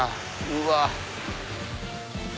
うわ！